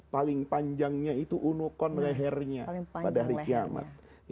paling panjangnya itu unokan lehernya pada hari kiamat